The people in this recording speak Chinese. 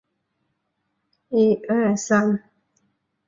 它的总部位于奥维耶多。